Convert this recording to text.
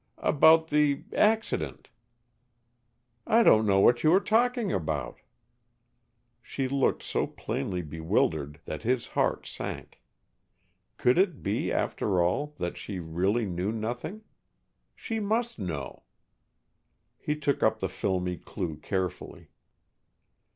"About the accident." "I don't know what you are talking about." She looked so plainly bewildered that his heart sank. Could it be, after all, that she really knew nothing. She must know! He took up the filmy clue carefully.